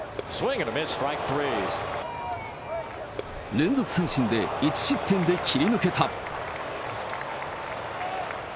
連続三振で１失点で切り抜けた。